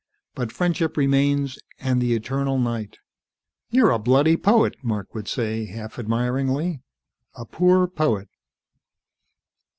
But friendship remains, and the eternal night." "You're a bloody poet," Mark would say, half admiringly. "A poor poet."